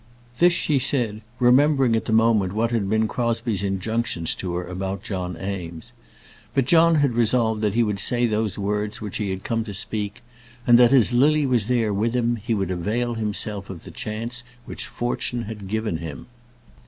This she said, remembering at the moment what had been Crosbie's injunctions to her about John Eames. But John had resolved that he would say those words which he had come to speak, and that, as Lily was there with him, he would avail himself of the chance which fortune had given him.